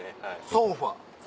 ソンファ。